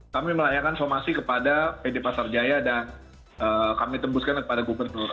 kami melayangkan somasi kepada pd pasar jaya dan kami tembuskan kepada gubernur